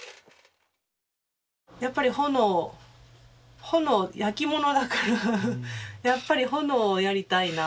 やっぱり炎炎焼き物だからやっぱり炎をやりたいなと思って。